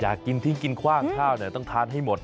อยากกินทิ้งกินคว่างข้าวเนี่ยต้องทานให้หมด